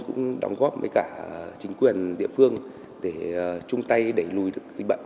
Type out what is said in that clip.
cũng đóng góp với cả chính quyền địa phương để chung tay đẩy lùi được dịch bệnh